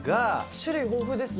種類豊富ですね。